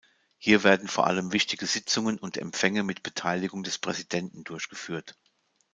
Hier werden vor allem wichtige Sitzungen und Empfänge mit Beteiligung des Präsidenten durchgeführt.